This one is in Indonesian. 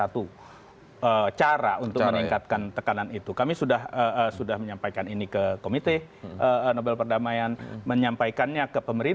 transparen ni kata keren